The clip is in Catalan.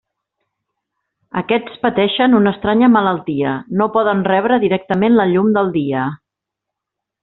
Aquests pateixen una estranya malaltia: no poden rebre directament la llum del dia.